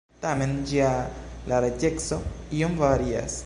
Tamen ĝia larĝeco iom varias.